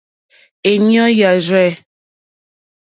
Èɲú yà rzɛ̂.